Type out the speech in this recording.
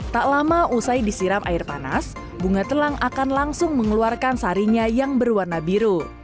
tak lama usai disiram air panas bunga telang akan langsung mengeluarkan sarinya yang berwarna biru